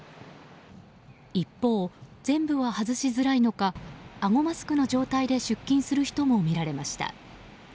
一方、全部は外しづらいのかあごマスクの状態で出勤する人もみられました。